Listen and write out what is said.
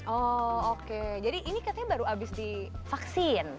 oh oke jadi ini katanya baru habis divaksin